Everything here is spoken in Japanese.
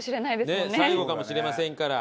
ねっ最後かもしれませんから。